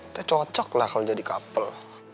ntar cocok lah kalau jadi kapal